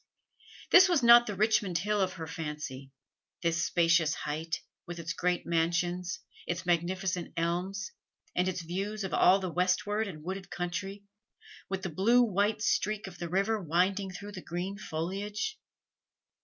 This was not the Richmond Hill of her fancy this spacious height; with its great mansions, its magnificent elms, and its view of all the westward and wooded country, with the blue white streak of the river winding through the green foliage.